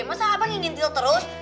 masa abah ngingin tidur terus